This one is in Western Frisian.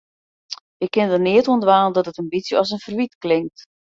Ik kin der neat oan dwaan dat it in bytsje as in ferwyt klinkt.